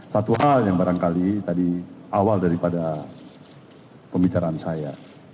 satu hal yang barangkali tadi awal daripada pembicaraan saya